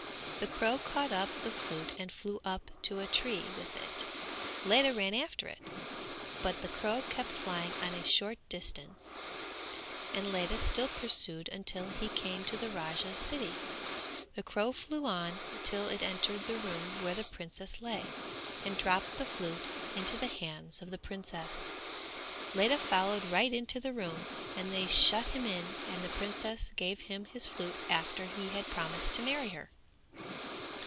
The crow caught up the flute and flew up to a tree with it. Ledha ran after it, but the crow kept flying on a short distance and Ledha still pursued until he came to the Raja's city. The crow flew on till it entered the room where the princess lay, and dropped the flute into the hands of the princess. Ledha followed right into the room and they shut him in and the princess gave him his flute after he had promised to marry her.